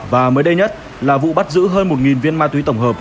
và mới đây nhất là vụ bắt giữ hơn một viên ma túy tổng hợp